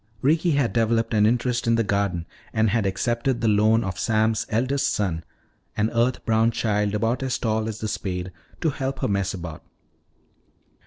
Ricky had developed an interest in the garden and had accepted the loan of Sam's eldest son, an earth brown child about as tall as the spade, to help her mess about.